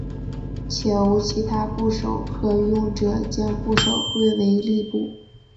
且无其他部首可用者将部首归为立部。